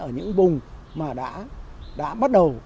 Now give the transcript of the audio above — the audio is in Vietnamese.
ở những vùng mà đã bắt đầu